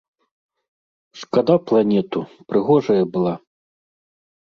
Шкада планету, прыгожая была.